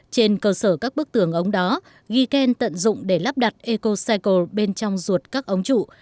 trên cơ sở các bức tường ống đó giken tận dụng để lắp đặt ecocycle bên trong ruột các ống trụ